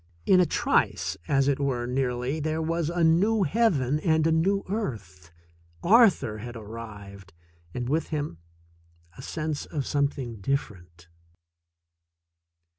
In a trice, as it were, nearly, there was a new heaven and a new earth. Arthur had arrived, and with him a sense of something different.